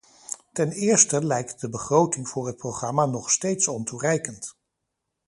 Ten eerste lijkt de begroting voor het programma nog steeds ontoereikend.